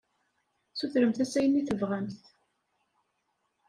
Sutremt-as ayen i tebɣamt.